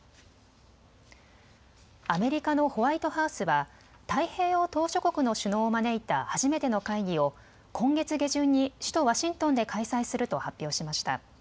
アメリカのホワイトハウスは太平洋島しょ国の首脳を招いた初めての会議を今月下旬に首都ワシントンで開催すると発表しました。